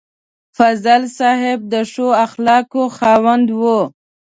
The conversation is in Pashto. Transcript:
فضل صاحب د ښو اخلاقو خاوند و.